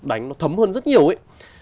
đánh nó thấm hơn rất nhiều ấy